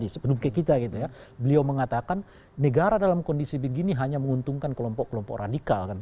sebelum ke kita gitu ya beliau mengatakan negara dalam kondisi begini hanya menguntungkan kelompok kelompok radikal kan